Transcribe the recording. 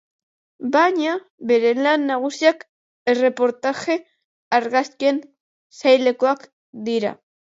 Baina bere lan nagusiak erreportaje-argazkien sailekoak dira.